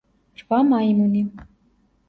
რვა მაიმუნი.